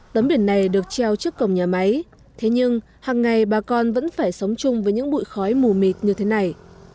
tấm biển này được treo trước cổng nhà máy thế nhưng hàng ngày bà con vẫn phải sống chung với những bụi khói mù mịt như thế này